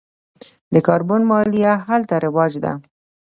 د کاربن مالیه هلته رواج ده.